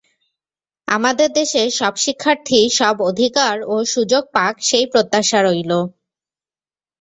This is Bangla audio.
আমাদের দেশের সব শিক্ষার্থী সব অধিকার ও সুযোগ পাক সেই প্রত্যাশা রইল।